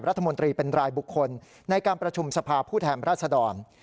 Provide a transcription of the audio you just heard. รัฐมนตรีเป็นรายบุคคลในการประชุมสภาพผู้แทนราชดร